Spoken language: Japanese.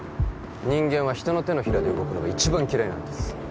人間は人の手のひらで動くのが一番嫌いなんです